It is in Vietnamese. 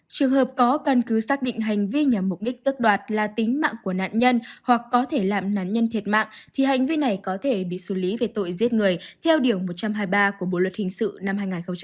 trường hợp có căn cứ xác định hành vi nhằm mục đích tức đoạt là tính mạng của nạn nhân hoặc có thể làm nạn nhân thiệt mạng thì hành vi này có thể bị xử lý về tội giết người theo điều một trăm hai mươi ba của bộ luật hình sự năm hai nghìn một mươi năm